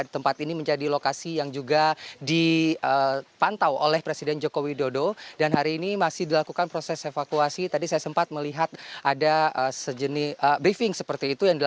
selamat pagi yuda